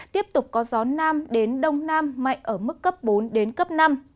tiếp tục có gió nam đến đông nam mạnh ở mức cấp bốn đến cấp năm